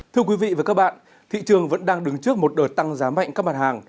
thưa quý vị và các bạn thị trường vẫn đang đứng trước một đợt tăng giá mạnh các mặt hàng